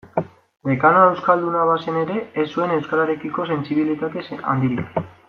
Dekanoa euskalduna bazen ere, ez zuen euskararekiko sentsibilitate handirik.